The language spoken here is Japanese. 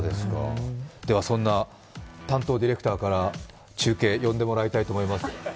ではそんな担当ディレクターから中継呼んでもらいたいと思います。